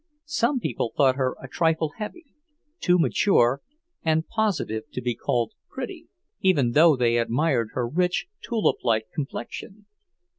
Some people thought her a trifle heavy, too mature and positive to be called pretty, even though they admired her rich, tulip like complexion.